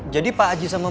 jadi pak aji sama mbak min